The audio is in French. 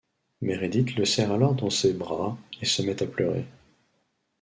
Meredith le serre alors dans ses bras et se met à pleurer.